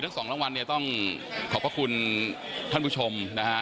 ทั้งสองรางวัลต้องขอบคุณท่านผู้ชมนะฮะ